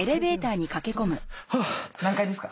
何階ですか？